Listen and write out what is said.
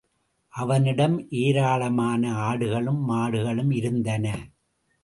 அவனிடம் ஏராளமான ஆடுகளும் மாடுகளும இருந்தன.